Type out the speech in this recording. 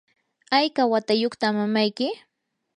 ¿hayka watayuqta mamayki?